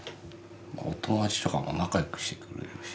お友達とかも仲良くしてくれるし。